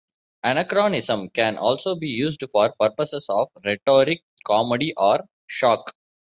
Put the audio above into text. Anachronism can also be used for purposes of rhetoric, comedy, or shock.